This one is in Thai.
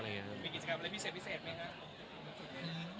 มีกิจกรรมอะไรพิเศษมั้ยคะ